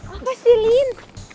apa sih lin